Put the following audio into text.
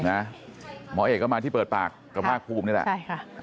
หมอเอกก็มาที่เปิดปากกับภาคภูมินี่แหละใช่ค่ะ